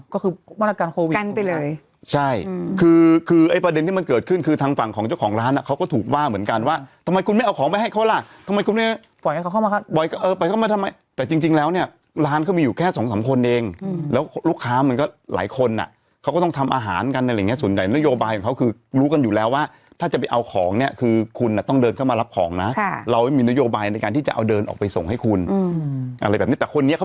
ก็คือบ้านการโควิดกันไปเลยใช่คือคือไอ้ประเด็นที่มันเกิดขึ้นคือทางฝั่งของเจ้าของร้านเขาก็ถูกว่าเหมือนกันว่าทำไมคุณไม่เอาของไปให้เขาล่ะทำไมคุณไม่ปล่อยเขาเข้ามาครับปล่อยไปเข้ามาทำไมแต่จริงแล้วเนี่ยร้านก็มีอยู่แค่สองสามคนเองแล้วลูกค้ามันก็หลายคนน่ะเขาก็ต้องทำอาหารกันอะไรอย่างนี้ส่วนใหญ่นโย